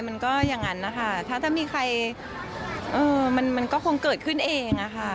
มันก็อย่างนั้นนะคะถ้ามีใครมันก็คงเกิดขึ้นเองอะค่ะ